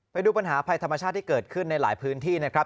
ไปดูปัญหาภัยธรรมชาติที่เกิดขึ้นในหลายพื้นที่นะครับ